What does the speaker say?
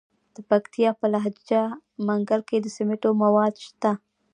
د پکتیا په لجه منګل کې د سمنټو مواد شته.